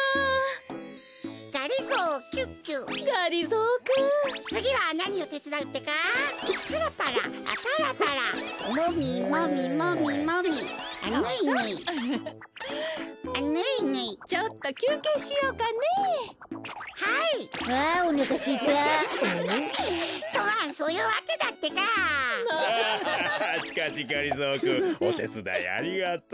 おてつだいありがとう。